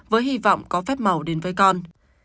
với hy vọng có phép màu đến với con